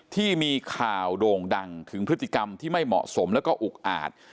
ที่มีข่าวโด่งดังถึงพฤติกรรมที่ไม่เหมาะสมแล้วก็อุกอาจ